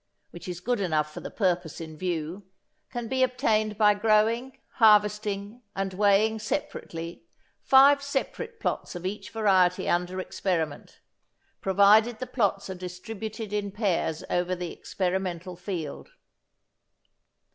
which is good enough for the purpose in view, can be obtained by growing, harvesting and weighing separately, five separate plots of each variety under experiment, provided the plots are distributed in pairs over the experimental field.